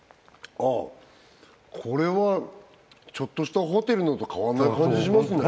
ああこれはちょっとしたホテルのと変わんない感じしますね